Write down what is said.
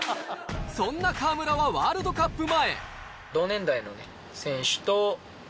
そんな河村はワールドカップ前。